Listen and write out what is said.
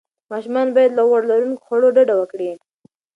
ماشومان باید له غوړ لروونکو خوړو ډډه وکړي.